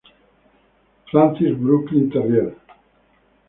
Francis Brooklyn Terriers.